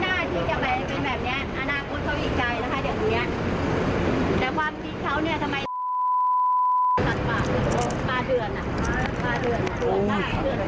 อาณาคตเขาอยู่ใจนะคะเดี๋ยวคนนี้